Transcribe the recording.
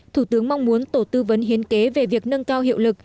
thủ tướng mong muốn tổ tư vấn hiến kế về việc nâng cao hiệu lực